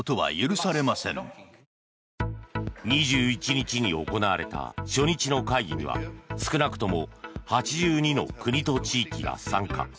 ２１日に行われた初日の会議では少なくとも８２の国と地域が参加。